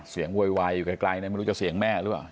เสียงโวยวายได้ใกล้ยังไม่รู้จะเสียงแม่หรือเปล่า